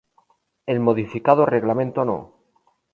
El modificado Reglamento No.